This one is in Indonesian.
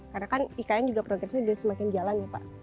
karena kan ikn juga progresnya sudah semakin jalan ya pak